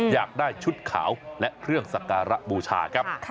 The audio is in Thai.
อยากได้ชุดขาวและเครื่องสักการะบูชาครับ